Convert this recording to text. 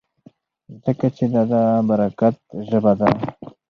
ځکه چې دا د برکت ژبه ده.